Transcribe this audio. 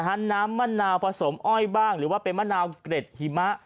น้ำมะนาวผสมอ้อยบ้างหรือว่าเป็นมะนาวเกร็ดหิมะ